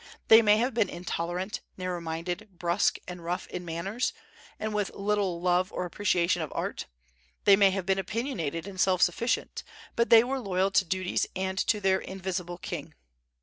They may have been intolerant, narrow minded, brusque and rough in manners, and with little love or appreciation of art; they may have been opinionated and self sufficient: but they were loyal to duties and to their "Invisible King."